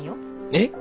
えっ？